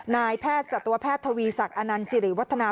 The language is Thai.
นายแพทย์สัตวแพทย์ทวีศักดิ์อนันต์สิริวัฒนา